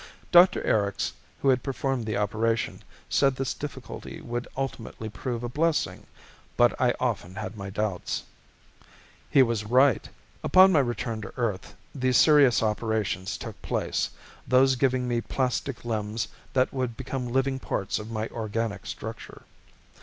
Dr. Erics, who had performed the operation, said this difficulty would ultimately prove a blessing but I often had my doubts. He was right. Upon my return to Earth, the serious operations took place, those giving me plastic limbs that would become living parts of my organic structure.